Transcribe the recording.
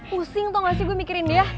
pusing tuh gak sih gue mikirin dia